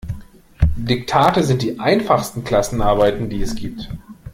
Diktate sind die einfachsten Klassenarbeiten, die es gibt.